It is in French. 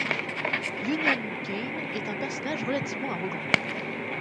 Union Cane est un personnage relativement arrogant.